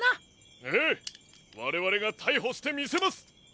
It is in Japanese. ええわれわれがたいほしてみせます！